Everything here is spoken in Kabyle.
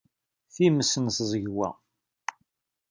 Times n tẓegwa.